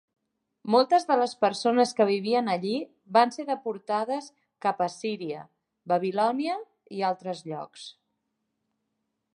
Moltes de les persones que vivien allí van ser deportades cap a Assíria, Babilònia i altres llocs.